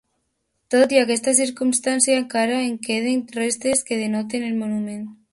Tot i aquesta circumstància, encara en queden restes que denoten el monument.